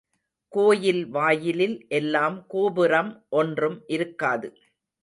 கோயில் வாயிலில் எல்லாம் கோபுரம் ஒன்றும் இருக்காது.